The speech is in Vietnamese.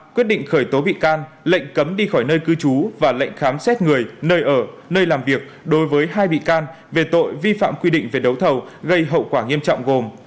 quyết định khởi tố bị can lệnh cấm đi khỏi nơi cư trú và lệnh khám xét người nơi ở nơi làm việc đối với hai bị can về tội vi phạm quy định về đấu thầu gây hậu quả nghiêm trọng gồm